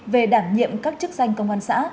về đảm nhiệm các chức danh công an xã